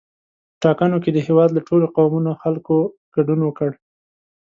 په ټاکنو کې د هېواد له ټولو قومونو خلکو ګډون وکړ.